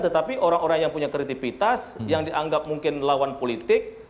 tetapi orang orang yang punya kreativitas yang dianggap mungkin lawan politik